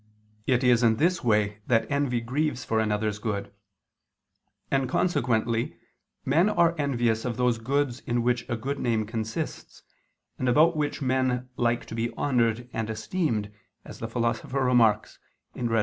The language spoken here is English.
It is in this way that envy grieves for another's good: and consequently men are envious of those goods in which a good name consists, and about which men like to be honored and esteemed, as the Philosopher remarks (Rhet.